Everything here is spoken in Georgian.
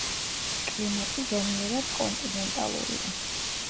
კლიმატი ზომიერად კონტინენტალურია.